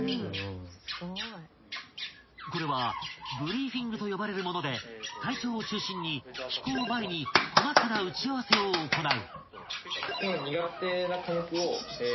［これはブリーフィングと呼ばれるもので隊長を中心に飛行前に細かな打ち合わせを行う］